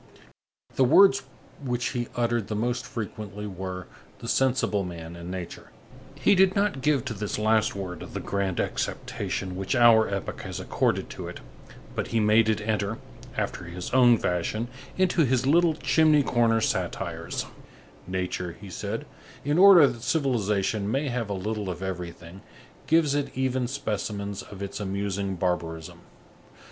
The words which he uttered the most frequently were: the sensible man, and nature. He did not give to this last word the grand acceptation which our epoch has accorded to it, but he made it enter, after his own fashion, into his little chimney corner satires: "Nature," he said, "in order that civilization may have a little of everything, gives it even specimens of its amusing barbarism.